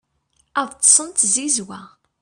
ad ṭṭsen d tzizwa